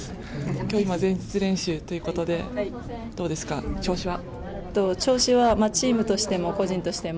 今日、前日練習ということでどうですか、調子は。